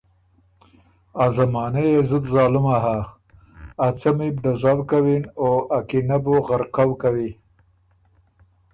ا زمانۀ يې زُت ظالُمه هۀ، ا څمی بُو ډزؤ کوِن او ا کینۀ بُو غرقؤ کوی